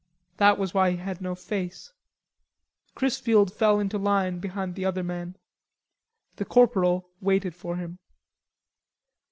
That was why he had no face. Chrisfield fell into line behind the other men. The corporal waited for him.